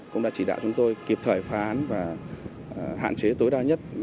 cũng đã chỉ đạo chúng tôi kịp thời phá án và hạn chế tối đa nhất